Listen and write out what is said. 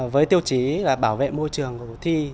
với tiêu chí bảo vệ môi trường của cuộc thi